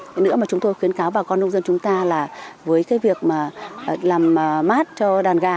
thế nữa mà chúng tôi khuyến cáo bà con nông dân chúng ta là với cái việc mà làm mát cho đàn gà